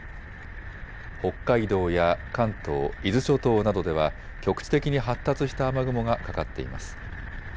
北海道や関東、伊豆諸島などでは局地的に発達した雨雲がかかっています。